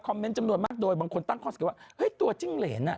เมนต์จำนวนมากโดยบางคนตั้งข้อสังเกตว่าเฮ้ยตัวจิ้งเหรนอ่ะ